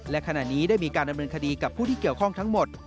และขณะนี้ได้มีการดำเนินคดีกับผู้ที่เกี่ยวข้องทั้งหมด